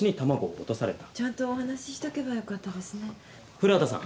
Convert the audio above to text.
古畑さん。